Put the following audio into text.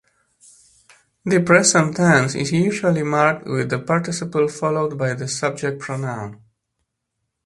The present tense is usually marked with the participle followed by the subject pronoun.